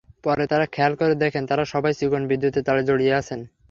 পরে তাঁরা খেয়াল করে দেখেন তাঁরা সবাই চিকন বিদ্যুতের তারে জড়িয়ে আছেন।